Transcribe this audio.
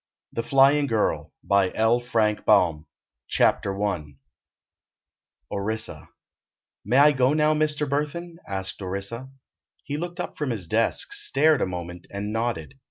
The Flying Girl CHAPTER I ORISSA "May I go now, Mr. Burthon?" asked Orissa. He looked up from his desk, stared a moment and nodded.